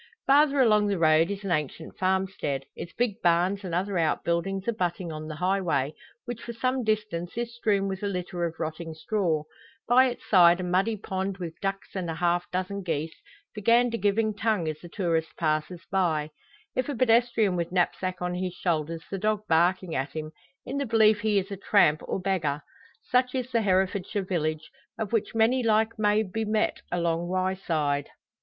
Farther along the road is an ancient farmstead, its big barns, and other outbuildings, abutting on the highway, which for some distance is strewn with a litter of rotting straw; by its side a muddy pond with ducks and a half dozen geese, the gander giving tongue as the tourist passes by; if a pedestrian with knapsack on his shoulders the dog barking at him, in the belief he is a tramp or beggar. Such is the Herefordshire village, of which many like may be met along Wyeside.